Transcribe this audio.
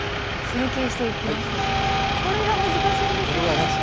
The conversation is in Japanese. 成形していきますがこれが難しいんですよね